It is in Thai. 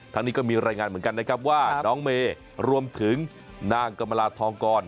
นี้ก็มีรายงานเหมือนกันนะครับว่าน้องเมย์รวมถึงนางกรรมลาทองกร